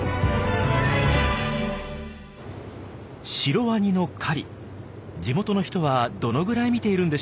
シロワニの狩り地元の人はどのぐらい見ているんでしょうか？